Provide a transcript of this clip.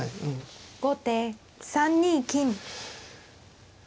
後手３二金。